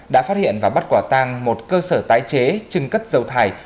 đã phát hiện và bắt quả tang một cơ sở tái chế chừng cất dầu thải